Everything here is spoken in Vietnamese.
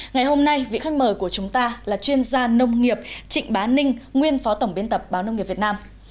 ngày hôm nay vị khách mời của chúng ta là chuyên gia nông nghiệp trịnh bá ninh nguyên phó tổng biên tập báo nông nghiệp việt nam